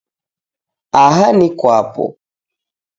Aha ni kwapo